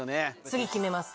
次決めます